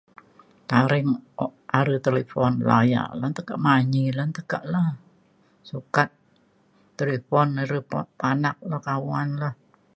taring u' a're talipun layak lan tekek manyi lan tekak le. sukat talipun re papanak re kawan re.